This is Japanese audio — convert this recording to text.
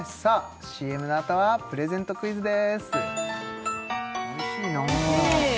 ＣＭのあとはプレゼントクイズです